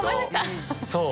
そう。